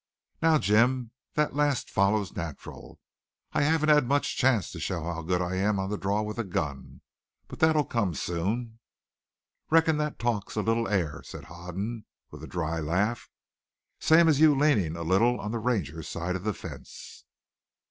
"Now, Jim, that last follows natural. I haven't had much chance to show how good I am on the draw with a gun. But that'll come soon." "Reckon thet talk's a little air," said Hoden with his dry laugh. "Same as you leanin' a little on the Ranger's side of the fence."